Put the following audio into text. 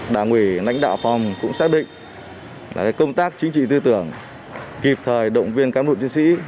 đảng ủy lãnh đạo phòng cũng xác định công tác chính trị tư tưởng kịp thời động viên cán bộ chiến sĩ